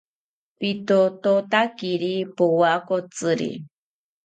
Pitothotakiri powakotziri